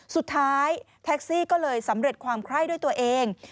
สุดท้ายแท็กซี่ก็เลยสำเร็จความไคร้ด้วยตัวเอง